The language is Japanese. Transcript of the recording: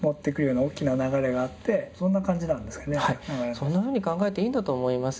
そんなふうに考えていいんだと思います。